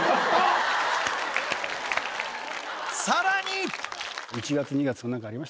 さらに！